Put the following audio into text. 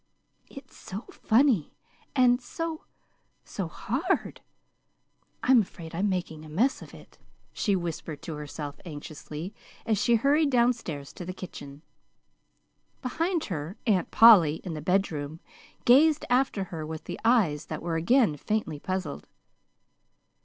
"It's so funny and so so hard, I'm afraid I'm making a mess of it," she whispered to herself anxiously, as she hurried down stairs to the kitchen. Behind her, Aunt Polly, in the bedroom, gazed after her with eyes that were again faintly puzzled.